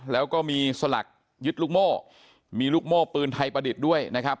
แล้วก็มีสลักยึดลูกโม่มีลูกโม่ปืนไทยประดิษฐ์ด้วยนะครับ